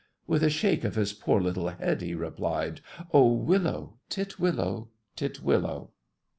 With a shake of his poor little head, he replied, "Oh, willow, titwillow, titwillow!"